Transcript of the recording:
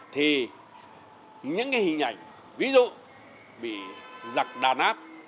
thì những cái hình ảnh ví dụ bị giặc đàn áp